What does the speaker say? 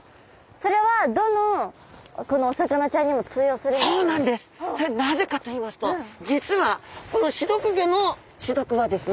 それはなぜかといいますと実はこの刺毒魚の刺毒はですね